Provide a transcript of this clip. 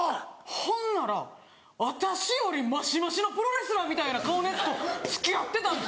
ほんなら私より増し増しのプロレスラーみたいな顔のヤツと付き合ってたんですよ。